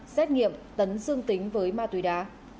xét nghiệm tấn xương tính với ma túy đá